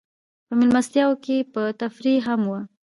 په مېلمستیاوو کې به تفریح هم وه.